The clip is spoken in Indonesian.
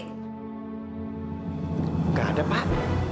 gak ada pak